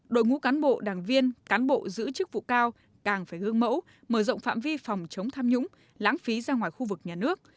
đội ngũ cán bộ đảng viên cán bộ giữ chức vụ cao càng phải gương mẫu mở rộng phạm vi phòng chống tham nhũng lãng phí ra ngoài khu vực nhà nước